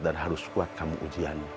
dan harus kuat kamu ujian